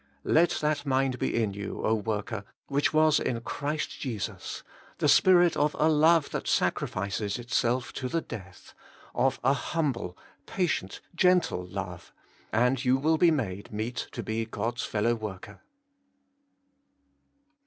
Let that mind be in you, O worker, which was in Christ Jesus, the spirit of a love that sacrifices itself to the death, of a humble, patient, gentle love, 126 Working for God and you will be made meet to be God's fellow worker.